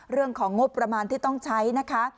เรื่องของงบประมาณที่ต้องใช้นะคะ